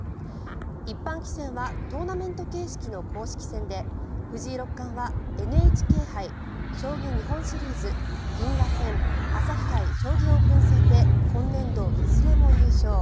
一般棋戦はトーナメント形式の公式戦で藤井六冠はＮＨＫ杯将棋日本シリーズ銀河戦、朝日杯将棋オープン戦で今年度いずれも優勝。